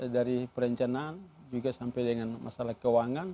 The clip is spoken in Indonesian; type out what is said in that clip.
dari perencanaan juga sampai dengan masalah keuangan